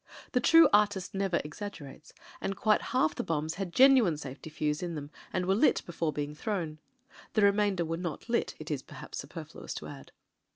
The true artist never exaggerates, and quite half the bombs had genuine safety fuze in them and were lit before being thrown. The remainder were not lit, it is perhaps superfluous to add.